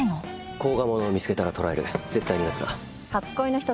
甲賀者を見つけたらとらえる絶対に逃がすな。